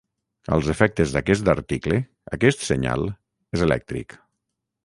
Als efectes d'aquest article, aquest senyal és elèctric.